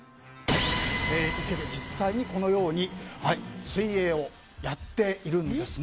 池で実際にこのように水泳をやっているんですね。